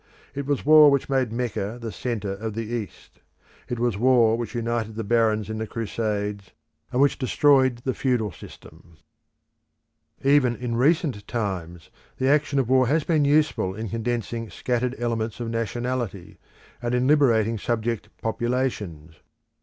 It was war which made Mecca the centre of the East. It was war which united the barons in the Crusades, and which destroyed the feudal system. Even in recent times the action of war has been useful in condensing scattered elements of nationality, and in liberating subject populations.